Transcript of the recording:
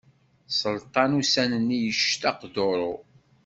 Sselṭan ussan-nni yectaq duṛu.